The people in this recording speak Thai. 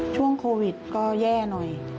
ช่วงโควิดก็แย่หน่อย